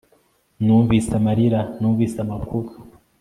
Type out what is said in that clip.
Numvise amarira numvise amakuru